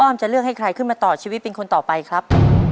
จะเลือกให้ใครขึ้นมาต่อชีวิตเป็นคนต่อไปครับ